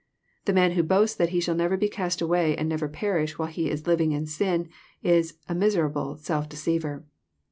The man who boasts that he shall never be cast away and never perish, while he is living in sin, is a mis erable self deceiver.